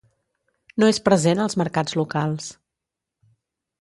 No és present als mercats locals.